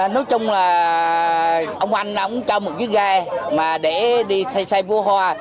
nói chung là ông anh ông cho một chiếc ghe mà để đi xây xây vua hoa